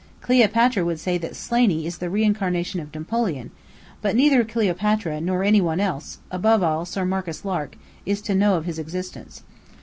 Cleopatra would say that S. is the reincarnation of Napoleon; but neither Cleopatra nor any one else above all, Sir Marcus Lark is to know of his existence.